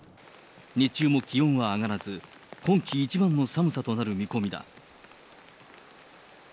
日中も気温は上がらず、今季一番の寒さとなる見込みだ。